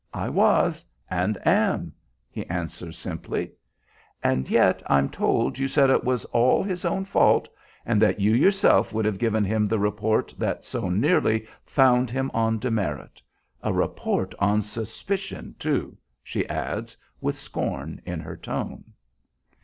"I was and am," he answers simply. "And yet I'm told you said it was all his own fault, and that you yourself would have given him the report that so nearly 'found him on demerit.' A report on suspicion, too," she adds, with scorn in her tone.